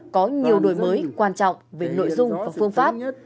có nhiều đổi mới quan trọng về nội dung và phương pháp